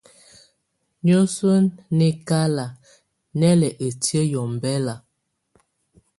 Niǝ́suǝ́ nɛ́kalá nɛ́ lɛ ǝ́tiǝ́ yɛ́ ɔmbɛla.